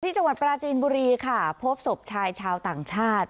จังหวัดปราจีนบุรีค่ะพบศพชายชาวต่างชาติ